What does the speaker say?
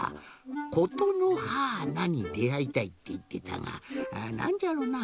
「ことのはーなにであいたい」っていってたがなんじゃろな？